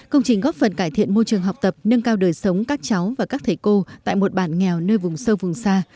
công trình góp phần cải thiện môi trường học tập nâng cao đời sống các cháu và các thầy cô tại một bản nghèo nơi vùng sâu vùng xa